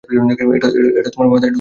এটা তোমার মাথায় ঢুকছে না কেন?